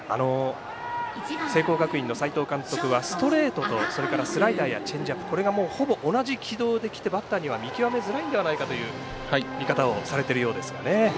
聖光学院の斎藤監督はストレートとスライダーやチェンジアップ、これがほぼ同じ軌道できてバッターには見極めづらいのではないかという見方をされているようですがね。